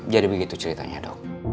jadi begitu ceritanya dok